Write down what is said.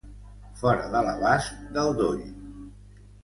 Fora de l'abast del doll.